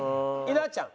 稲ちゃん。